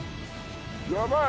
やばい！